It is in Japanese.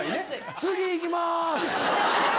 次行きます。